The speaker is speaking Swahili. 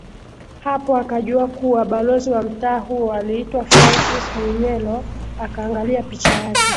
Hapo akajua kuwa balozi wa mtaa huo aliitwa Francis Mwinyelo akaangalia picha yake